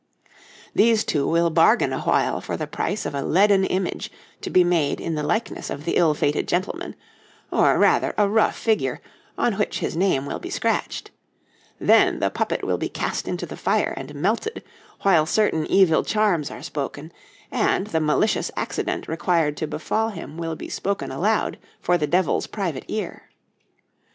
These two will bargain awhile for the price of a leaden image to be made in the likeness of the ill fated gentleman, or, rather, a rough figure, on which his name will be scratched; then the puppet will be cast into the fire and melted while certain evil charms are spoken, and the malicious accident required to befall him will be spoken aloud for the Devil's private ear.